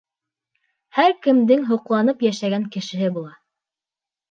Һәр кемдең һоҡланып йәшәгән кешеһе була.